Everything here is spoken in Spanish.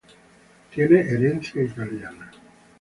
Tiene herencia italiana.